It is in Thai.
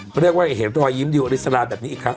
เขาเรียกว่าเห็นรอยยิ้มดิวอริสราแบบนี้อีกครั้ง